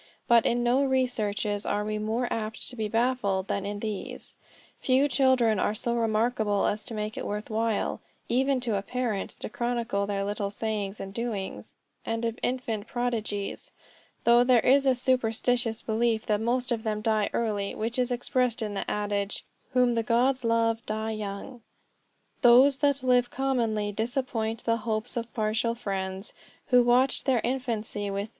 But in no researches are we more apt to be baffled than in these. Few children are so remarkable as to make it worth while, even to a parent, to chronicle their little sayings and doings; and of infant prodigies though there is a superstitious belief that most of them die early, which is expressed in the adage "Whom the Gods love, die young," those that live commonly disappoint the hopes of partial friends, who watched their infancy with wonder and expectation.